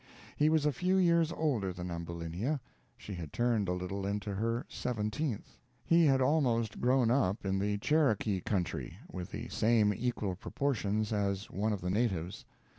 He was a few years older than Ambulinia: she had turned a little into her seventeenth. He had almost grown up in the Cherokee country, with the same equal proportions as one of the natives.